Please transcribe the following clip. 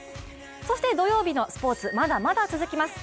そして土曜日のスポーツ、まだまだ続きます。